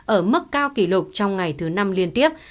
ở mức cao kỷ lục trong ngày thứ năm liên tiếp